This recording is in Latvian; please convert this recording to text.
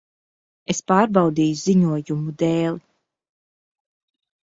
Es pārbaudīju ziņojumu dēli.